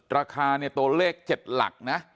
ราคาเนี่ยตัวเลข๗หลักนะ